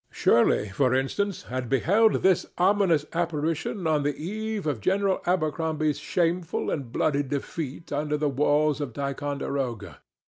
Shirley, for instance, had beheld this ominous apparition on the eve of General Abercrombie's shameful and bloody defeat under the walls of Ticonderoga.